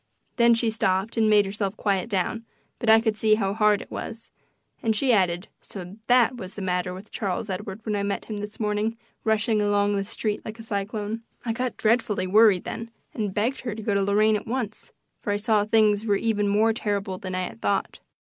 Then she stopped and made herself quiet down, but I could see how hard it was, and she added: "So THAT was the matter with Charles Edward when I met him this morning rushing along the street like a cyclone." I got dreadfully worried then and begged her to go to Lorraine at once, for I saw things were even more terrible than I had thought.